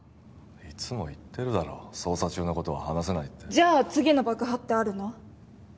いつも言ってるだろ捜査中のことは話せないってじゃあ次の爆破ってあるの？